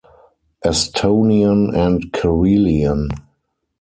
Estonian and Karelian.